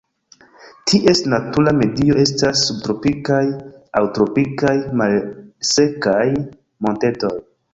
Ties natura medio estas subtropikaj aŭ tropikaj malsekaj montetoj.